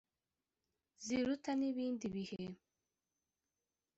Ziruta n' ibindi bihe